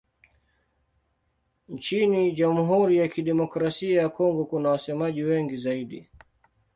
Nchini Jamhuri ya Kidemokrasia ya Kongo kuna wasemaji wengi zaidi.